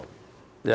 ya kadang kadang kita